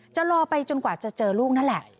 จะรอไปจนกว่าจะเจอลูกนั่นแหละ